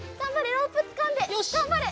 ロープつかんでがんばれ！